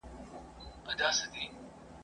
پر ښخه برلاسی سو